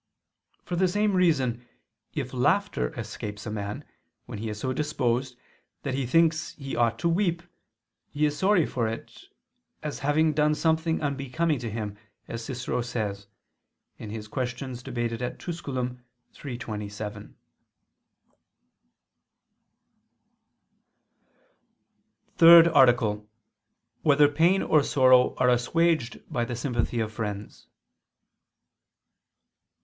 For the same reason if laughter escapes a man when he is so disposed that he thinks he ought to weep, he is sorry for it, as having done something unbecoming to him, as Cicero says (De Tusc. Quaest. iii, 27). ________________________ THIRD ARTICLE [I II, Q. 38, Art. 3] Whether Pain or Sorrow Are Assuaged by the Sympathy of Friends?